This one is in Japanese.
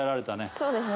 そうですね。